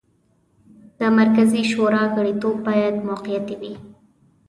د مرکزي شورا غړیتوب باید موقتي وي.